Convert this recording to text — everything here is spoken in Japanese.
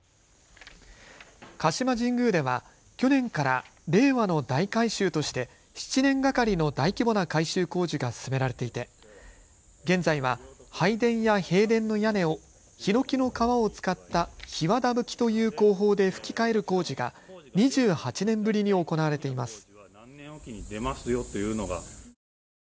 鹿島神宮では去年から令和の大改修として７年がかりの大規模な改修工事が進められていて現在は拝殿や幣殿の屋根をひのきの皮を使ったひわだぶきという工法でふき替える工事が２８年ぶりに行われています。